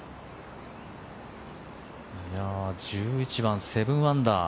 １１番、７アンダー。